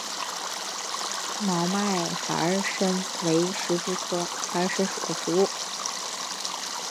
毛脉孩儿参为石竹科孩儿参属的植物。